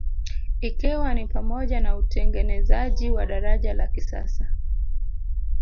Ikiwa ni pamoja na utengenezaji wa daraja la kisasa